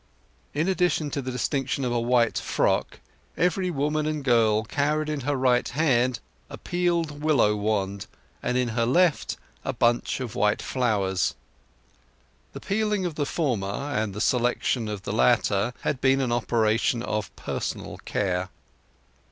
In addition to the distinction of a white frock, every woman and girl carried in her right hand a peeled willow wand, and in her left a bunch of white flowers. The peeling of the former, and the selection of the latter, had been an operation of personal care.